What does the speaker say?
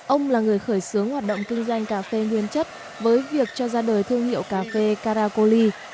ông là người khởi xướng hoạt động kinh doanh cà phê nguyên chất với việc cho ra đời thương hiệu cà phê carakoli